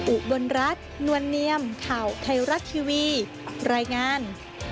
อุบลรัฐนวลเนียมข่าวไทยรัฐทีวีรายงาน